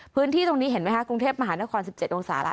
พื้นที่ตรงนี้เห็นไหมคะกรุงเทพมหานครสิบเจ็ดองศาละ